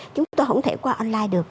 chúng tôi không thể qua online được